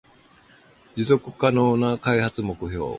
持続可能な開発目標